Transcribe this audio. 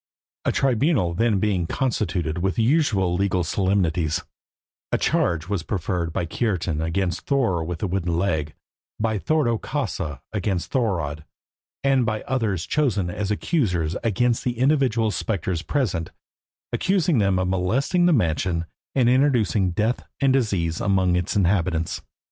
A tribunal being then constituted with the usual legal solemnities, a charge was preferred by Kiartan against Thorer with the wooden leg, by Thordo Kausa against Thorodd, and by others chosen as accusers against the individual spectres present, accusing them of molesting the mansion, and introducing death and disease among its inhabitants.